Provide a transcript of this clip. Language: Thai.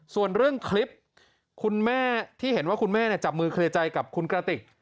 ส่วนเรื่องคลิปคุณแม่ที่เห็นว่าคุณแม่จับมือเคลียร์ใจกับคุณกระติก